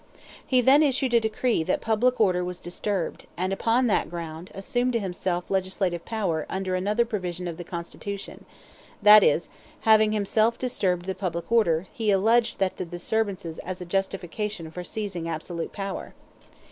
He then issued a decree that public order was disturbed, and, upon that ground, assumed to himself legislative power under another provision of the constitution; that is, having himself disturbed the public order, he alleged the disturbance as a justification for seizing absolute power.